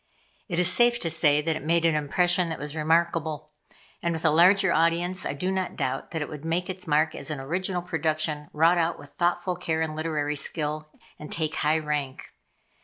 It is safe to say that it made an impression that was remarkable, and with a larger audience I do not doubt that it would make its mark as an original production wrought out with thoughtful care and literary skill, and take high rank.